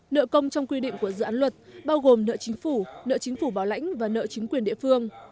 nợ công trong quy định của dự án luật bao gồm nợ chính phủ nợ chính phủ bảo lãnh và nợ chính quyền địa phương